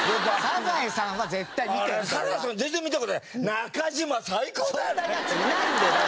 「中島最高だよね！」。